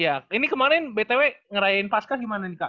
iya ini kemarin btw ngerayain pasca gimana nih kak